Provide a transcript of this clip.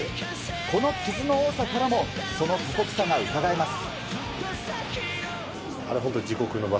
この傷の多さからもその過酷さがうかがえます。